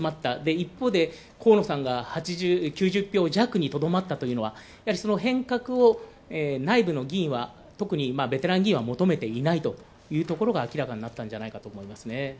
一方で、河野さんが９０票弱にとどまったというのは、その変革を内部の議員は、特にベテラン議員は求めていないということが明らかになったんじゃないかと思いますね。